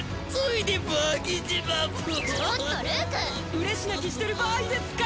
うれし泣きしてる場合ですか！